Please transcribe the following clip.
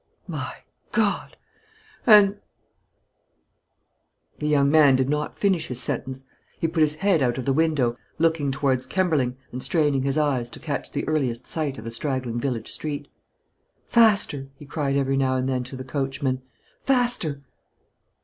"My God! And " The young man did not finish his sentence. He put his head out of the window, looking towards Kemberling, and straining his eyes to catch the earliest sight of the straggling village street. "Faster!" he cried every now and then to the coachman; "faster!"